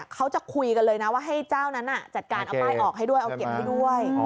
เขาจะคุยกันเลยนะว่าให้เจ้านั้นจัดการเอาป้ายออกให้ด้วยเอาเก็บให้ด้วย